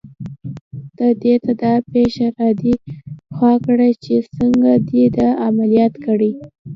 ته دې دا پښه را دې خوا کړه چې څنګه دې در عملیات کړې.